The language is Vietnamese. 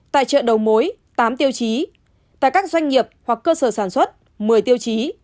tại chợ đầu mối tám tiêu chí tại các doanh nghiệp hoặc cơ sở sản xuất một mươi tiêu chí